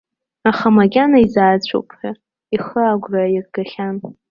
Аха макьана изаацәоуп ҳәа ихы агәра аиргахьан.